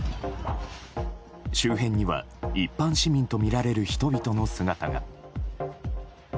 周辺には一般市民とみられる人々の姿が。